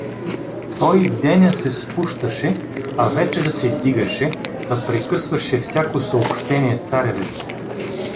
Той деня се спущаше, а вечер се дигаше, та прекъсваше всяко съобщение с Царевец.